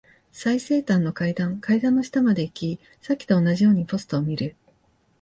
最西端の階段。階段の下まで行き、さっきと同じようにポストを見る。